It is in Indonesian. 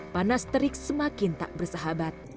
panas terik semakin tak bersahabat